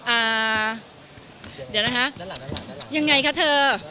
อ่าเดี๋ยวนะคะยังไงคะเธอ